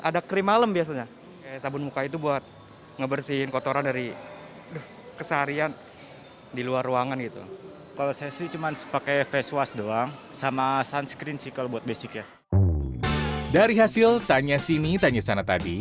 dari hasil tanya sini tanya sana tadi